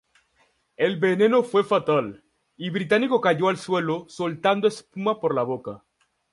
El veneno fue fatal y Británico cayó al suelo soltando espuma por la boca.